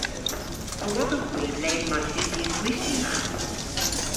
A wodhowgh hwi le mayth usi an gwithti ma?